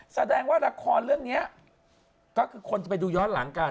แสดงว่าละครเรื่องนี้ก็คือคนจะไปดูย้อนหลังกัน